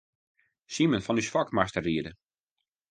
Simen fan ús Fok moast dêr ride.